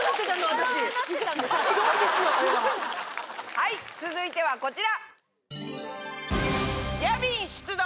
はい続いてはこちら。